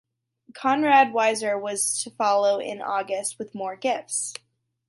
Conrad Weiser was to follow in August with more gifts.